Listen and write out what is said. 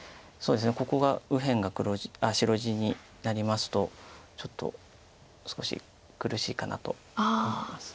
ここが右辺が白地になりますとちょっと少し苦しいかなと思います。